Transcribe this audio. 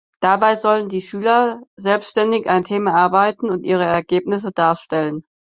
Dabei sollen die Schüler selbständig ein Thema erarbeiten und ihre Ergebnisse darstellen.